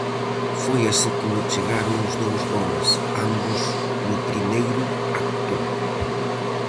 Foi así como chegaron os dous goles, ambos no primeiro acto.